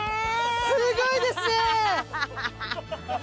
すごいですね！